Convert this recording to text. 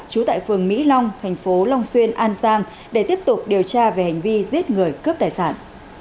trú tại phường mỹ long thành phố long xuyên an giang để tiếp tục điều tra về hành vi giết người cướp tài sản